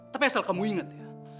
tapi asal kamu inget ya